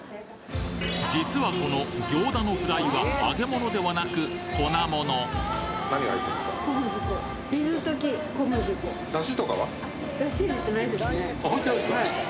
実はこの行田のフライは揚げ物ではなく粉もの入ってないんですか？